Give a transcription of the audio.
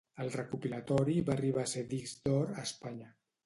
El recopilatori va arribar a ser disc d'or a Espanya.